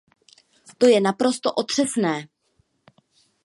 To je naprosto otřesné.